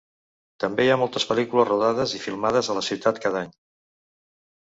També hi ha moltes pel·lícules rodades i filmades a la ciutat cada any.